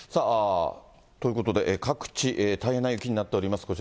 さあ、ということで、各地、大変な雪になっております。